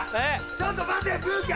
ちょっと待てブーケ！